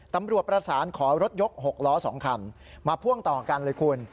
ตำรวจประสานขอรถยก๖ล้อ๒คันมาพ่วงต่อกันเลยคุณ